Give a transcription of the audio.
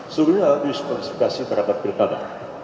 suruhnya mendiskualifikasi terhadap pilkada